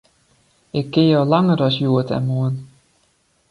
Ik ken jo al langer as hjoed en moarn.